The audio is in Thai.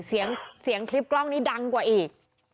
เสียงเสียงคลิปกล้องนี้ดังกว่าอีก